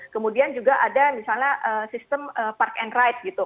kemudian juga ada misalnya sistem park and ride gitu